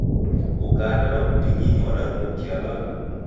Ukaadadwa kuting'ini wadarumbukia w'andu.